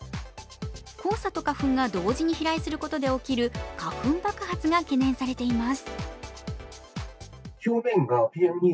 黄砂と花粉が同時に飛来することで起きる花粉爆発が懸念されています。